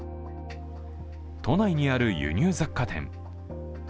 都内にある輸入雑貨店。